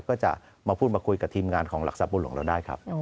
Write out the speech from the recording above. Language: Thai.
ก็จะมาพูดมาคุยกับทีมงานของหลักสาปลุนของเราได้ครับ